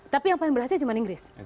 tapi yang paling berhasil cuma inggris